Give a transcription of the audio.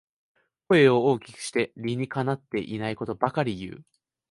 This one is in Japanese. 声を大きくして理にかなってないことばかり言う